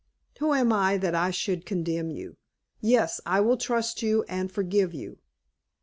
"Who am I that I should condemn you? Yes, I will trust you, and forgive you."